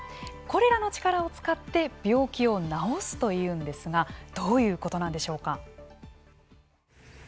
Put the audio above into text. これらの力を使って病気を治すというんですがどういうことなんでしょうか。